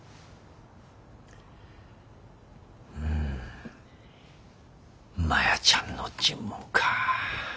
うんマヤちゃんの尋問か。